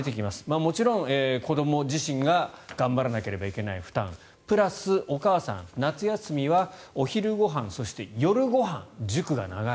もちろん子ども自身が頑張らなければいけない負担プラス、お母さん夏休みはお昼ご飯そして、夜ご飯塾が長い。